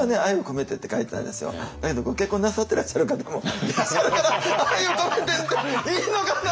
だけどご結婚なさってらっしゃる方もいらっしゃるから「愛を込めて」っていいのかな？